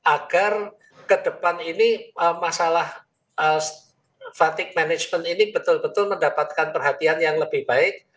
agar ke depan ini masalah fatic management ini betul betul mendapatkan perhatian yang lebih baik